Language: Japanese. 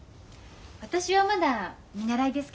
私はまだ見習いですけど。